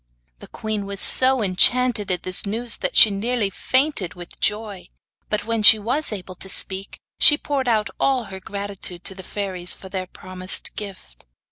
The queen was so enchanted at this news that she nearly fainted with joy; but when she was able to speak, she poured out all her gratitude to the fairies for their promised gift.